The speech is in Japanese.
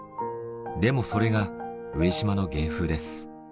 でもそれが上島の芸風です。